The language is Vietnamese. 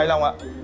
anh long ạ